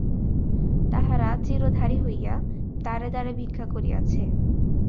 তাহারা চীরধারী হইয়া দ্বারে দ্বারে ভিক্ষা করিয়াছে।